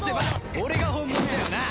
俺が本物だよな？